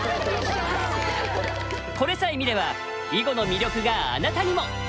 これさえ見れば囲碁の魅力があなたにも！